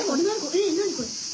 ええ何これ？